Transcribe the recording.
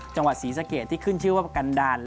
จังหวัดศรีสะเกดที่ขึ้นชื่อว่าประกันดาล